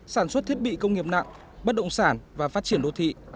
sản xuất thiết bị công nghiệp nặng bất động sản và phát triển đô thị